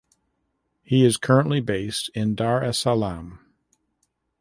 He is currently based in Dar es Salaam.